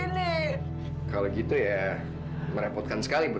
minta tuhan untuk mengucapkan kesedihan